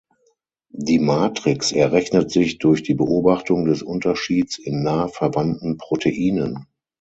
Die Matrix errechnet sich durch die Beobachtung des Unterschieds in nah verwandten Proteinen.